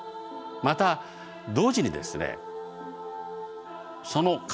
また同時にですね